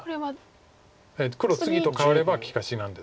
黒ツギと換われば利かしなんですけど。